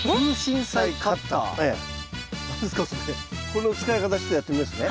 この使い方ちょっとやってみますね。